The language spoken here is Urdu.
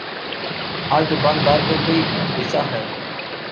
آج دکان دار کو کوئی اندیشہ ہے